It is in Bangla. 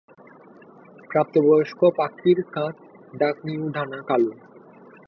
প্রাপ্তবয়স্ক পাখির কাঁধ-ঢাকনি ও ডানা কালো।